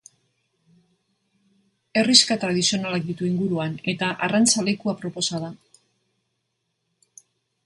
Herrixka tradizionalak ditu inguruan eta arrantza leku aproposa da.